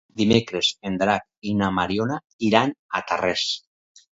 Dimecres en Drac i na Mariona iran a Tarrés.